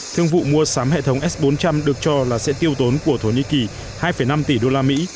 thương vụ mua sắm hệ thống s bốn trăm linh được cho là sẽ tiêu tốn của thổ nhĩ kỳ hai năm tỷ usd